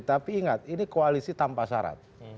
tapi ingat ini koalisi tanpa syarat